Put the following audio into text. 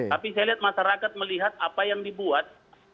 tapi saya lihat masyarakat melihat apa yang dibuat